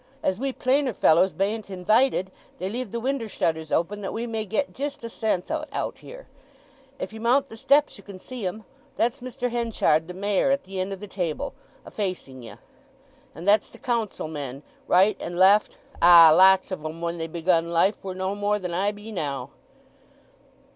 As we plainer fellows bain't invited, they leave the winder shutters open that we may get jist a sense o't out here. If you mount the steps you can see em. That's Mr. Henchard, the Mayor, at the end of the table, a facing ye; and that's the Council men right and left.... Ah, lots of them when they begun life were no more than I be now!"